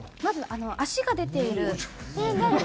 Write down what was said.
まず足が出ている。